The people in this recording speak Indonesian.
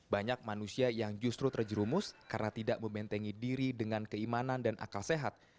banyak manusia yang justru terjerumus karena tidak membentengi diri dengan keimanan dan akal sehat